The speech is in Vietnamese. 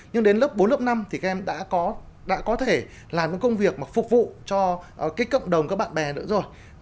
nhưng đến lớp bốn lớp năm thì các em đã có thể làm những công việc mà phục vụ cho cộng đồng các bạn bè nữa rồi